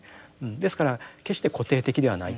ですから決して固定的ではないと。